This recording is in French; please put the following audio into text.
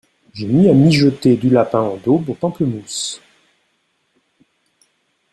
J’ai mis à mijoter du lapin en daube aux pamplemousses.